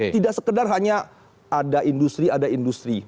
tidak sekedar hanya ada industri ada industri